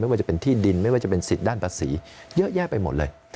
ว่าจะเป็นที่ดินไม่ว่าจะเป็นสิทธิ์ด้านภาษีเยอะแยะไปหมดเลย